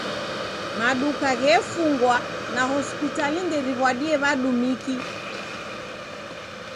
Maduka ghefungwa na hospitali nderiw'adie w'udumiki.